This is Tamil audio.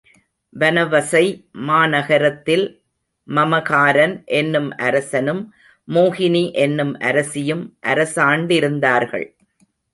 வனவசை மாநகரத்தில், மமகாரன் என்னும் அரசனும் மோகினி என்னும் அரசியும் அரசாண்டிருந்தார்கள்.